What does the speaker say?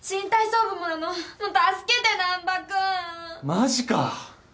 マジか。